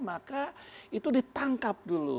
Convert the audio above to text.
maka itu ditangkap dulu